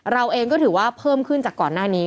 เราเองก็ถือว่าเพิ่มขึ้นจากก่อนหน้านี้